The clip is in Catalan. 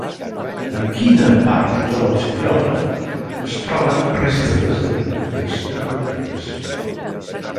En quina part de l'absidiola es troben restes de pintures decoratives?